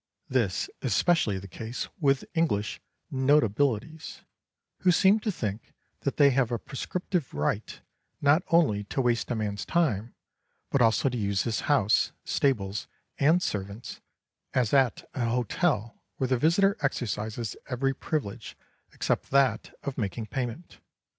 This is specially the case with English notabilities, who seem to think that they have a prescriptive right, not only to waste a man's time, but also to use his house, stables, and servants, as at an hotel where the visitor exercises every privilege except that of making payment.